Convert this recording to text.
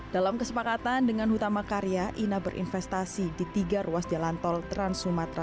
dalam kesepakatan dengan hutama karya ina berinvestasi di tiga ruas jalan tol trans sumatera